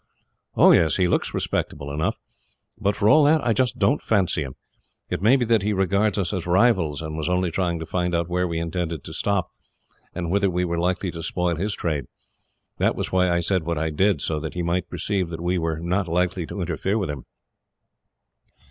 "Oh, yes, he looks respectable enough, but for all that I don't fancy him. It may be that he regards us as rivals, and was only trying to find out where we intended to stop, and whether we were likely to spoil his trade. That was why I said what I did, so that he might perceive that we were not likely to interfere with him.